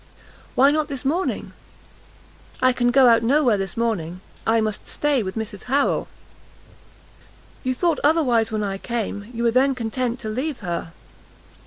"Why not this morning?" "I can go out no where this morning; I must stay with Mrs Harrel." "You thought otherwise when I came, you were then content to leave her."